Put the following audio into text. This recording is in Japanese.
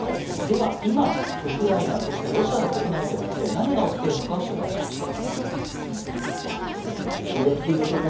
では今、ウクライナ、そしてロシアの国内では今何が起きているのか取材しました。